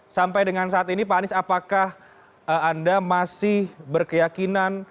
sampai dengan saat ini pak anies apakah anda masih berkeyakinan